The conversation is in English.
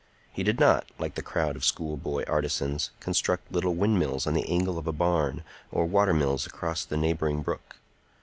He did not, like the crowd of school boy artisans, construct little windmills on the angle of a barn or watermills across the neighboring brook.